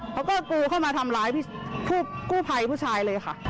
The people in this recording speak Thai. เขาก็กรูเข้ามาทำร้ายพี่กู้ภัยผู้ชายเลยค่ะ